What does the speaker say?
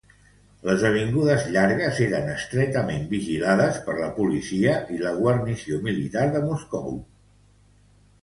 Les avingudes llargues eren estretament vigilades per la policia i la guarnició militar de Moscou.